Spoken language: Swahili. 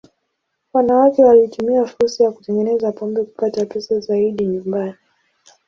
Wanawake walitumia fursa ya kutengeneza pombe kupata pesa zaidi nyumbani.